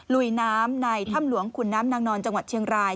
ลุยน้ำในถ้ำหลวงขุนน้ำนางนอนจังหวัดเชียงราย